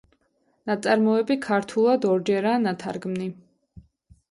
ნაწარმოები ქართულად ორჯერაა ნათარგმნი.